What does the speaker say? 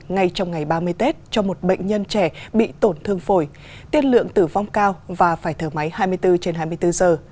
ngay trong ngày ba mươi tết cho một bệnh nhân trẻ bị tổn thương phổi tiên lượng tử vong cao và phải thở máy hai mươi bốn trên hai mươi bốn giờ